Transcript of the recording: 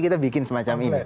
kita bikin semacam ini